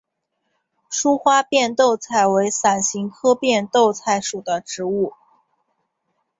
疏花变豆菜为伞形科变豆菜属的植物。